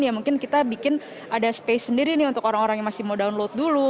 ya mungkin kita bikin ada space sendiri nih untuk orang orang yang masih mau download dulu